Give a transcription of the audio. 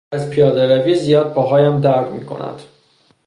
از پیادهروی زیاد پاهایم درد میکند.